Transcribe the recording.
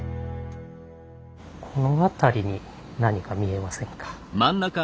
この辺りに何か見えませんか？